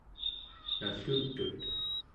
nallutut